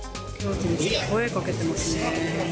声かけていますね。